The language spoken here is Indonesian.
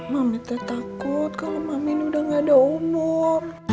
mami takut kalau mami ini udah gak ada umur